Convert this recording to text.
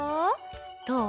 どう？